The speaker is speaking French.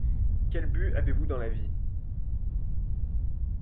Quel but avez-vous dans la vie ?